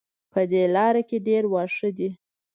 په دې لاره کې ډېر واښه دي